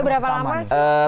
itu berapa lama sih